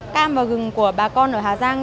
cam và rừng của bà con ở hà giang